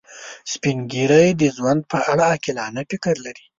سپین ږیری د ژوند په اړه عاقلانه فکر لري